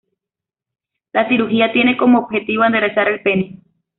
La cirugía tiene como objetivo enderezar el pene.